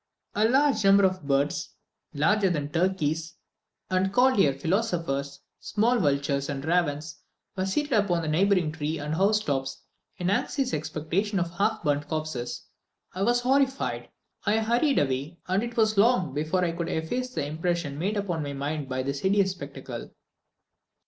A number of birds, larger than turkeys, and called here philosophers, small vultures, and ravens were seated upon the neighbouring trees and house tops, in anxious expectation of the half burnt corpses. I was horrified. I hurried away, and it was long before I could efface the impression made upon my mind by this hideous spectacle.